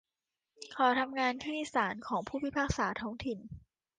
เขาทำงานที่ศาลของผู้พิพากษาท้องถิ่น